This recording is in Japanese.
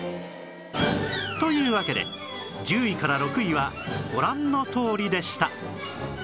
というわけで１０位から６位はご覧のとおりでした